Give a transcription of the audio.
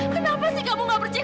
kenapa sih kamu gak percaya